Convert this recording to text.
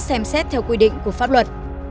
xem xét theo quy định của pháp luật